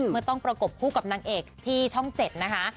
เมื่อต้องประกบคู่กับนางเอกที่ช่อง๗นะคะ